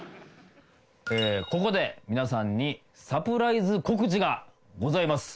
「ここで皆さんにサプライズ告知がございます」